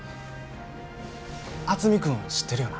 渥美君知ってるよな？